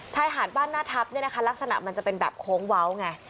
ชายหาดบ้านหน้าทัพเนี่ยนะคะลักษณะมันจะเป็นแบบโค้งเว้าไง